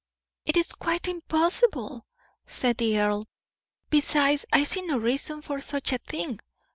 "It is quite impossible," said the earl. "Besides, I see no reason for such a thing.